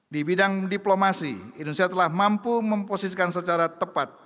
di bidang diplomasi indonesia telah mampu memposisikan secara tepat